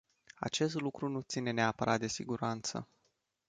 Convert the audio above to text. Acest lucru nu ține neapărat de siguranță.